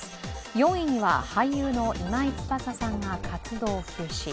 ４位には俳優の今井翼さんが活動休止。